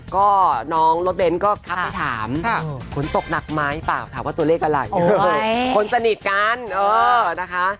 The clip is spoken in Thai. ก็น้องลดเบ้นก็คับไปถามผลตกหนักมั้ยป่าวถามว่าตัวเลขอะไรคนสนิทกันเออนะคะ